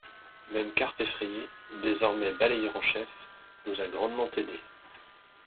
Même Carpe Effrayée, désormais balayeur en chef, nous a grandement aidées.